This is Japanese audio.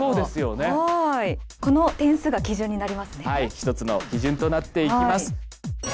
一つの基準となっていきます。